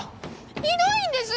ひどいんです！